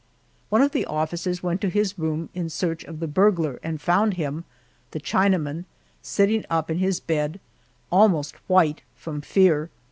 One of the officers went to his room in search of the burglar and found him the Chinaman sitting up in his bed, almost white from fear.